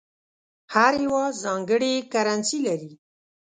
هر هېواد ځانګړې کرنسي لري.